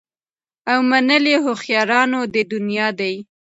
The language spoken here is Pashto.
او منلي هوښیارانو د دنیا دي